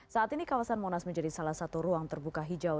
saat ini kawasan monas menjadi salah satu ruang terbuka hijau